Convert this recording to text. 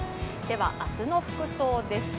明日の服装です。